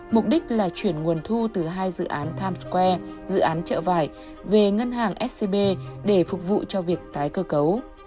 mục đích là chuyển nguồn thu từ hai dự án times square dự án chợ vải về ngân hàng scb để phục vụ cho việc tái cơ cấu